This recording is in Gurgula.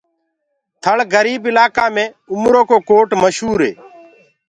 ٿݪ گريب الآڪآ مي اُمر ڪو ڪوٽ مشهوري